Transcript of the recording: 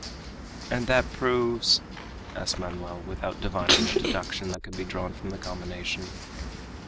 "And that proves?" asked Manoel, without divining the deduction that could be drawn from the combination.